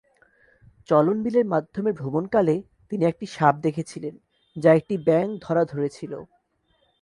চলন বিলের মাধ্যমে ভ্রমণকালে তিনি একটি সাপ দেখেছিলেন যা একটি ব্যাঙ ধরা ধরেছিল।